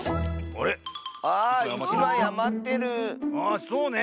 あそうね。